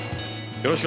よろしく。